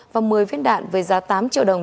và một mươi viết đạn với giá tám triệu đồng